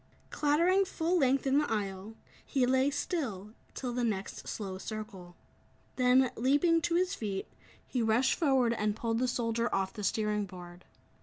Clattering full length in the aisle, he lay still, till the next slow circle. Then, leaping to his feet, he rushed forward and pulled the soldier off the steering board.